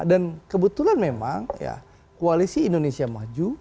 dan kebetulan memang koalisi indonesia maju